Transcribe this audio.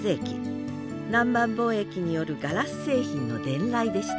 南蛮貿易によるガラス製品の伝来でした。